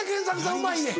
うまいねん。